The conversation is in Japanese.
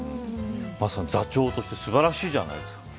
座長として素晴らしいじゃないですか。